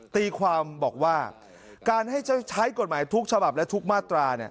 ตีความบอกว่าการให้ใช้กฎหมายทุกฉบับและทุกมาตรา